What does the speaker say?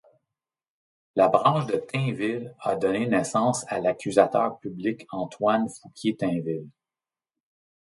La branche de Tinville a donné naissance à l'accusateur public Antoine Fouquier-Tinville.